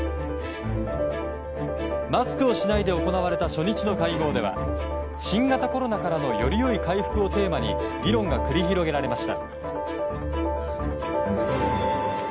マスクをしないで行われた初日の会合では新型コロナからのより良い回復をテーマに議論が繰り広げられました。